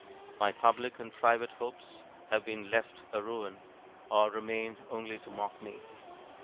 My public and private hopes have been left a ruin, or remain only to mock me.